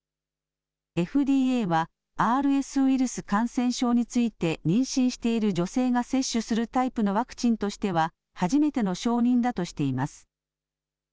ＦＤＡはＲＳウイルス感染症について妊娠している女性が接種するタイプのワクチンとしては初めての承認だとしています。